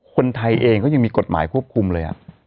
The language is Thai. คนไทยเองก็ยังมีกฎหมายควบคุมเลย